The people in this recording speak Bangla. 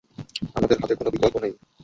আমাদের হাতে কোনো বিকল্প নেই।